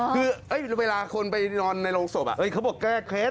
คือเวลาคนไปนอนในโรงศพเขาบอกแก้เคล็ด